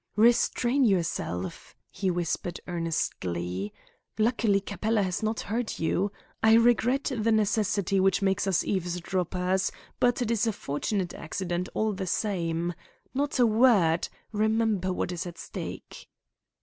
"Restrain yourself," he whispered earnestly. "Luckily, Capella has not heard you. I regret the necessity which makes us eavesdroppers, but it is a fortunate accident, all the same. Not a word! Remember what is at stake."